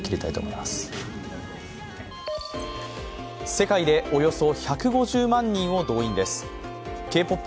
世界でおよそ１５０万人を動員ですＫ−ＰＯＰ